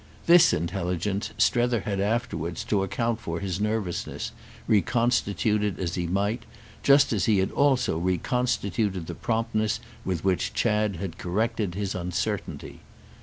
This intelligence Strether had afterwards, to account for his nervousness, reconstituted as he might, just as he had also reconstituted the promptness with which Chad had corrected his uncertainty.